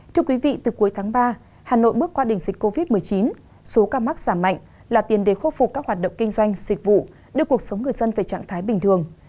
thưa quý vị từ cuối tháng ba hà nội bước qua đỉnh dịch covid một mươi chín số ca mắc giảm mạnh là tiền để khôi phục các hoạt động kinh doanh dịch vụ đưa cuộc sống người dân về trạng thái bình thường